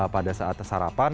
pada saat sarapan